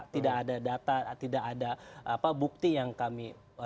tidak ada data tidak ada bukti yang kami